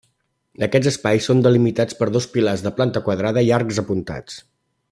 Aquests espais són delimitats per dos pilars de planta quadrats i arcs apuntats.